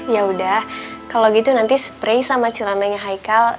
ya udah kalau gitu nanti spray sama celananya haikal